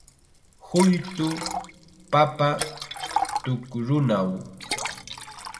Huytu papa tukrunaw